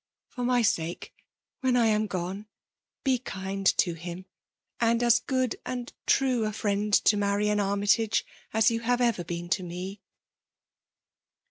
For my sake, when I am gone, be kind to him ; and as good and true a friend to Marian Armytage as you have ever been to me."